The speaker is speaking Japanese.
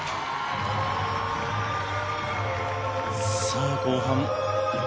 さあ、後半。